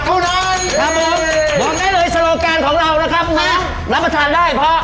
ครับผมบอกได้เลยสโลการของเรานะครับมารับประทานได้เพราะ